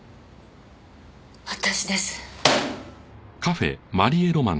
私です。